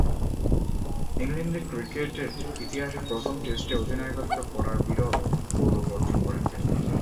ইংল্যান্ডের ক্রিকেটের ইতিহাসে প্রথম টেস্টে অধিনায়কত্ব করার বিরল গৌরব অর্জন করেন তিনি।